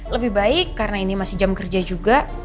lebih baik karena ini masih jam kerja juga